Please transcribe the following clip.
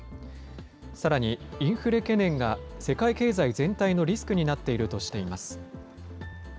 さらに、インフレ懸念が世界経済全体のリスクになっているとしています。